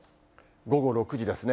午後６時ですね。